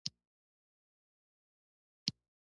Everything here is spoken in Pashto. غیر فلزونه په مقابل کې الکترون اخلي.